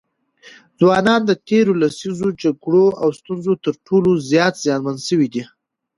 ځوانان د تېرو لسیزو جګړو او ستونزو تر ټولو زیات زیانمن سوي دي.